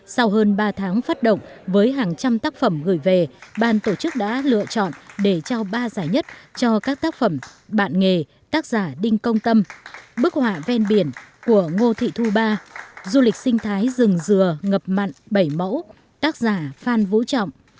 sau hơn ba tháng phát động với hàng trăm tác phẩm gửi về ban tổ chức đã lựa chọn để trao ba giải nhất cho các tác phẩm bạn nghề tác giả đinh công tâm bức họa ven biển của ngô thị thu ba du lịch sinh thái rừng dừa ngập mặn bảy mẫu tác giả phan vũ trọng